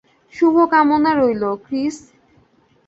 শুভকামনা রইলো, ক্রিস।